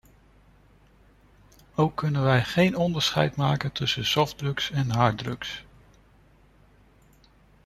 Ook kunnen wij geen onderscheid maken tussen softdrugs en harddrugs.